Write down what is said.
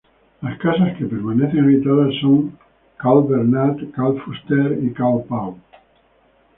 Las casas que permanecen habitadas son cal Bernat, cal Fuster y cal Pau.